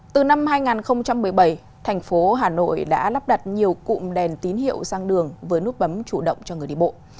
từ năm hai nghìn một mươi bảy thành phố hà nội đã lắp đặt nhiều cụm đèn tín hiệu sang đường với nút bấm chủ động cho người đi bộ